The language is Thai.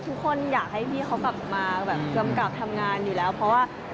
ทุกคนอยากให้พี่เขากลับมาแบบกำกับทำงานอยู่แล้วเพราะว่า